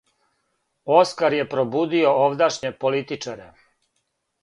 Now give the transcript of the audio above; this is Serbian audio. Оскар је пробудио овдашње политичаре.